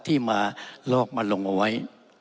ที่มองมาลงไว้